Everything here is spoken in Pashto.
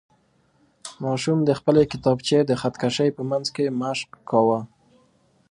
ماشوم د خپلې کتابچې د خط کشۍ په منځ کې مشق کاوه.